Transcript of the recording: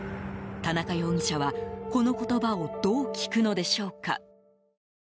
田中容疑者は、この言葉をどう聞くのでしょうか。